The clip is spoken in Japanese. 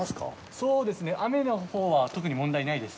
そうですね、雨のほうは特に問題ないです。